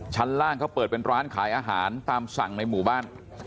ชั้นล่างเขาเปิดเป็นร้านขายอาหารตามสั่งในหมู่บ้าน